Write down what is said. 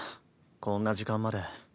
こんな時間まで。